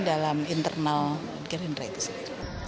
dalam internal gerindra itu sendiri